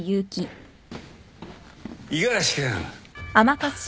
五十嵐君。